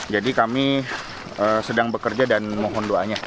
jadi kami sedang bekerja dan mohon doanya